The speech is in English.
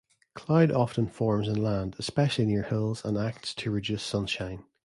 Cloud often forms inland especially near hills, and acts to reduce sunshine.